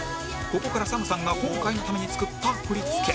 ここから ＳＡＭ さんが今回のために作った振り付け